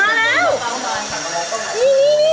นี่